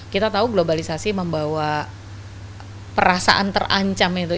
kita tahu globalisasi membawa perasaan terancam itu